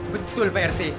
betul pak rt